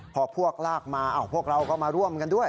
พอพวกลากมาพวกเราก็มาร่วมกันด้วย